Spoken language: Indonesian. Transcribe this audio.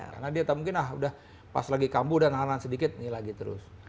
karena dia mungkin ah udah pas lagi kambuh udah nah nah sedikit ini lagi terus